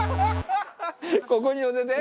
ここに載せて？